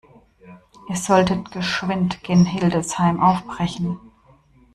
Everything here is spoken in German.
Ihr solltet geschwind gen Hildesheim aufbrechen.